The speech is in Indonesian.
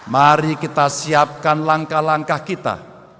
mari kita siapkan langkah langkah kita